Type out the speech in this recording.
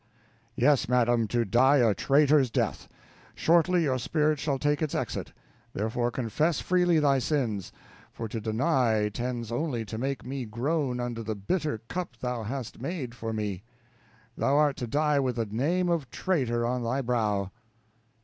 Yes, madam, to die a traitor's death. Shortly your spirit shall take its exit; therefore confess freely thy sins, for to deny tends only to make me groan under the bitter cup thou hast made for me. Thou art to die with the name of traitor on thy brow!